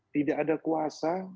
tidak ada kuasa